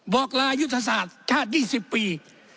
บอกลายุทธศาสตร์ชาติ๒๐ปี